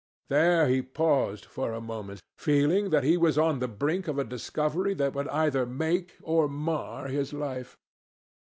There he paused for a moment, feeling that he was on the brink of a discovery that would either make or mar his life.